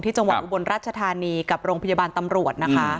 จังหวัดอุบลรัชธานีกับโรงพยาบาลตำรวจนะคะ